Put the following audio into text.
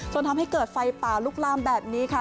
ทำให้เกิดไฟป่าลุกลามแบบนี้ค่ะ